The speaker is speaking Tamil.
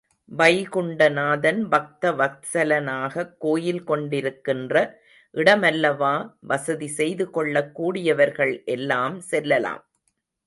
வைகுண்டநாதன் பக்தவத்சலனாகக் கோயில் கொண்டிருக்கின்ற இடமல்லவா, வசதி செய்து கொள்ளக் கூடியவர்கள் எல்லாம் செல்லலாம்.